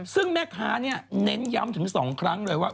ซึ่งแม่ค้าเนี่ยเน้นย้ำถึง๒ครั้งเลยว่า